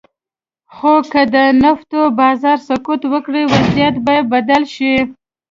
خو که د نفتو بازار سقوط وکړي، وضعیت به یې بدل شي.